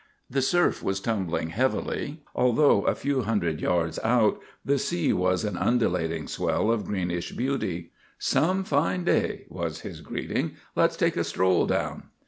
The surf was tumbling heavily although a few hundred yards out the sea was an undulating swell of greenish beauty. "Some fine day," was his greeting. "Let's take a stroll down."